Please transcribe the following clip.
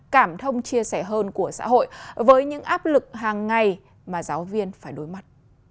cảm thông chia sẻ hơn của xã hội với những áp lực hàng ngày mà giáo viên phải đối mặt